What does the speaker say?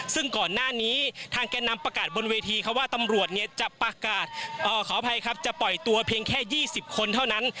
ซึ่งก่อนหน้านี้ทางแก้นนำประกาศบนเวทีเขาว่าตำรวจจะปล่อยตัวเพียงแค่๒๐คนเท่านั้น